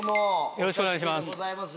よろしくお願いします。